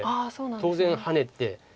当然ハネて。